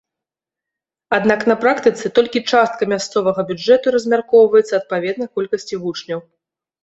Аднак на практыцы толькі частка мясцовага бюджэту размяркоўваецца адпаведна колькасці вучняў.